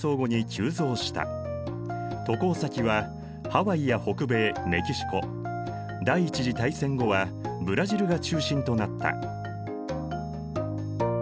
渡航先はハワイや北米メキシコ第一次大戦後はブラジルが中心となった。